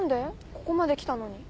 ここまで来たのに。